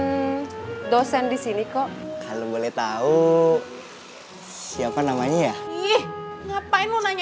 mba dosen disini ko kalau boleh tahu siapa namanya ngapain nanya